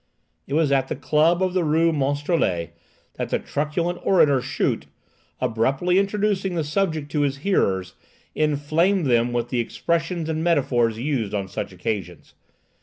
It was at the club of the Rue Monstrelet that the truculent orator Schut, abruptly introducing the subject to his hearers, inflamed them with the expressions and metaphors used on such occasions.